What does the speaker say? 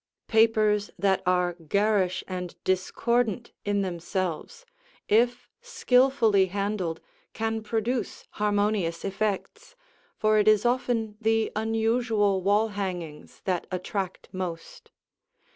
Papers that are garish and discordant in themselves, if skilfully handled, can produce harmonious effects, for it is often the unusual wall hangings that attract most.